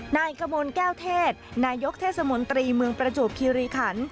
นายกมลแก้วเทศนายกเทศมนตรีเมืองประจวบคิริขัน